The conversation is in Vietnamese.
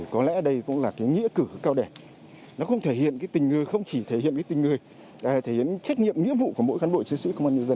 có lẽ đây cũng là nghĩa cử cao đẻ nó không chỉ thể hiện tình người mà cũng thể hiện trách nhiệm nghĩa vụ của mỗi khán bội chứa sĩ công an nhân dân